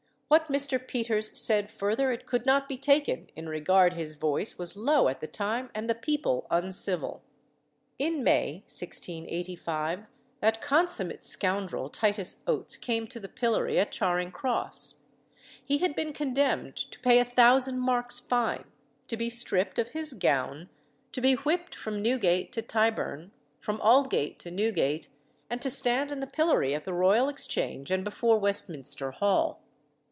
"What Mr. Peters said further it could not be taken, in regard his voice was low at the time and the people uncivil." In May 1685 that consummate scoundrel Titus Oates came to the pillory at Charing Cross. He had been condemned to pay a thousand marks fine, to be stripped of his gown, to be whipped from Newgate to Tyburn, from Aldgate to Newgate, and to stand in the pillory at the Royal Exchange and before Westminster Hall.